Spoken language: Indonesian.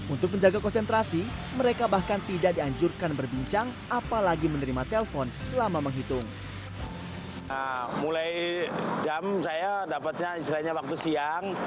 untuk menjaga konsentrasi mereka bahkan tidak dianjurkan berbincang apalagi menerima telpon selama menghitung